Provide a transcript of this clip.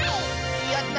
やった！